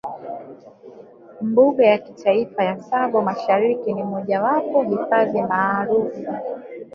Mbuga ya Kitaifa ya Tsavo Mashariki ni mojawapo hifadhi maarufu